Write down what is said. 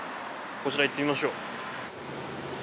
こちら行ってみましょう。